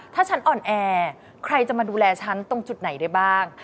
ถ้าฉันอ่อนแอใครจะมาดูแลฉันตรงจุดไหนได้บ้าง